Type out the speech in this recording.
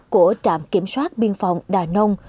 của trạm kiểm soát biên phòng đà nông